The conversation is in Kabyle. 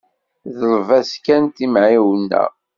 Ḍleb-as kan timεiwna.